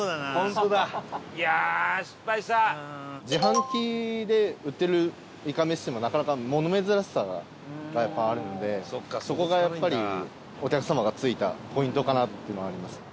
島田さん：自販機で売ってるいかめしっていうのもなかなか、物珍しさがやっぱ、あるのでそこが、やっぱりお客様がついたポイントかなっていうのはありますね。